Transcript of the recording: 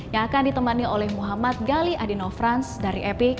yang akan ditemani oleh muhammad gali adino frans dari epic